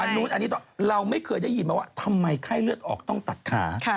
นู้นอันนี้เราไม่เคยได้ยินมาว่าทำไมไข้เลือดออกต้องตัดขา